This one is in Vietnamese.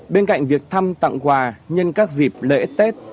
bên cạnh việc thăm tặng quà nhân các dịp lễ tết